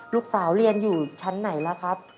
ลูกสาวเรียนอยู่ชั้นไหนล่ะครับ